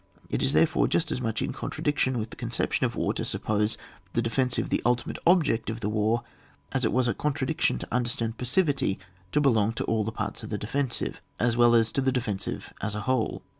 It is therefore just as much in con tradiction with the conception of war to suppose the defensive the ultimate object of the war as it was a contradiction to understand passivity to belong to all the parts of the defensive, as well as to the defensive as a whole.